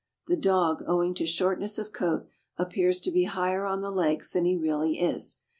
The dog, owing to shortness of coat, appears to be higher on the legs than he really is.